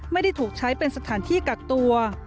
ไม่ได้ถูกใช้เป็นสถานที่กักตัว